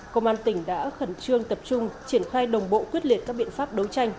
công an tỉnh đã khẩn trương tập trung triển khai đồng bộ quyết liệt các biện pháp đấu tranh